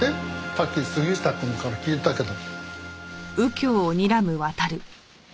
さっき杉下くんから聞いたけど。